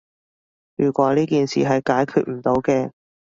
如果呢件事係解決唔到嘅